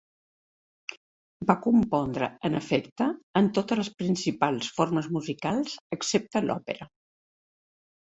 Va compondre en efecte en totes les principals formes musicals excepte l'òpera.